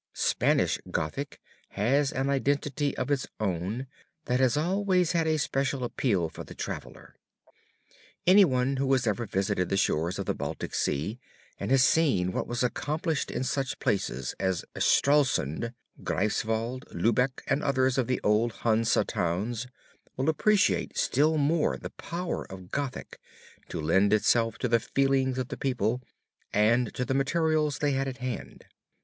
Spanish Gothic has an identity of its own that has always had a special appeal for the traveler. Any one who has ever visited the shores of the Baltic sea and has seen what was accomplished in such places as Stralsund, Greifswald, Lübeck, and others of the old Hansa towns, will appreciate still more the power of Gothic to lend itself to the feelings of the people and to the materials that they had at hand.